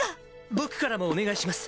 僕からもお願いします。